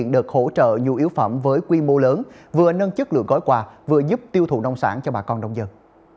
để giúp tiêu thụ nông sản cho bà con đông dân